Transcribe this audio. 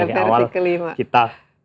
dari awal kita